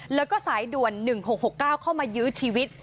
แล้วก็สายด่วน๑๖๖๙เข้ามายื้อชีวิต